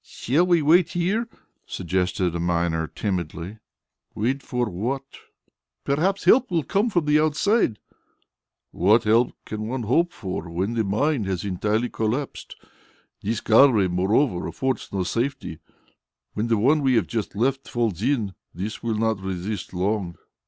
"Shall we wait here?" suggested a miner timidly. "Wait for what?" "Perhaps help will come from outside." "What help can one hope for, when the mine has entirely collapsed? This gallery, moreover, affords no safety. When the one we have just left falls in, this will not resist long."